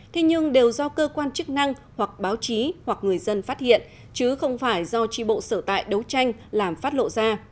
thế nhưng đều do cơ quan chức năng hoặc báo chí hoặc người dân phát hiện chứ không phải do tri bộ sở tại đấu tranh làm phát lộ ra